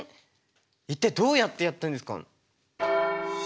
一体どうやってやってんですか？